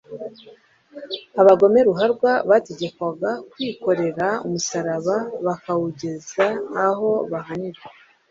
abagome ruharwa, bategekwaga kwiyikorerera umusaraba bakawugeza aho bahanirwa,